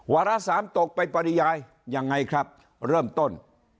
ระสามตกไปปริยายยังไงครับเริ่มต้น